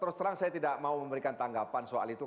terus terang saya tidak mau memberikan tanggapan soal itu